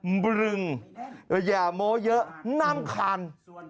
บรึงอย่าโม้เยอะน้ำคาญ